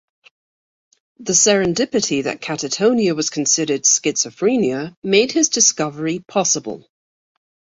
The serendipity that catatonia was considered schizophrenia made his discovery possible.